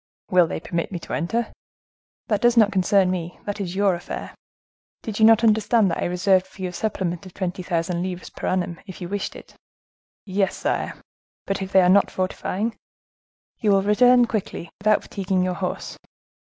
"Will they permit me to enter?" "That does not concern me; that is your affair. Did you not understand that I reserved for you a supplement of twenty thousand livres per annum, if you wished it?" "Yes, sire; but if they are not fortifying?" "You will return quietly, without fatiguing your horse."